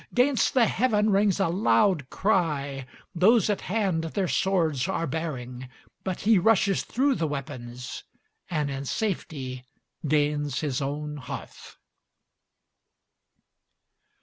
'Gainst the heaven rings a loud cry, those at hand their swords are baring But he rushes through the weapons, and in safety gains his own hearth.